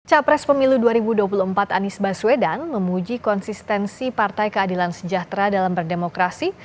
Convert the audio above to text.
capres pemilu dua ribu dua puluh empat anies baswedan memuji konsistensi partai keadilan sejahtera dalam berdemokrasi